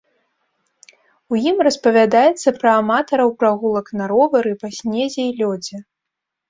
У ім распавядаецца пра аматараў прагулак на ровары па снезе і лёдзе.